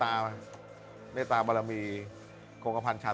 คิกคิกคิกคิกคิกคิกคิกคิก